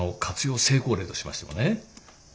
成功例としましてもね。